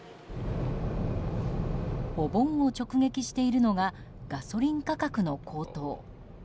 お盆を直撃しているのがガソリン価格の高騰。